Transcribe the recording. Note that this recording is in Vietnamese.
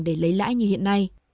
để lấy lãi như hiện nay